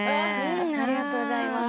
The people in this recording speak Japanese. ありがとうございます。